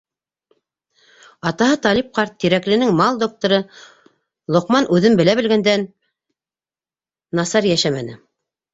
Атаһы Талип ҡарт, Тирәкленең «мал докторы», Лоҡман үҙен белә-белгәндән насар йәшәмәне.